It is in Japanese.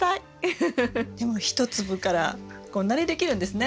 でも１粒からこんなにできるんですね。